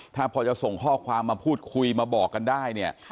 ถ้าพอจะส่งข้อความมาพูดคุยมาบอกกันได้เนี่ย